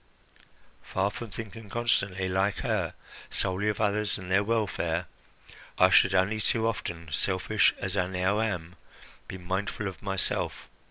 Far from thinking constantly, like her, solely of others and their welfare, I should only too often, selfish as I now am, be mindful of myself.